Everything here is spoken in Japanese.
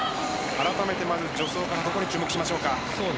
まず助走からどこに注目しましょうか？